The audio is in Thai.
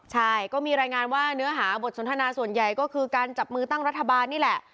ใช่ก็มีรายงานว่าเนื้อหาบทสนทนาส่วนใหญ่ก็คือการจับมือตั้งรัฐบาลนี่แหละ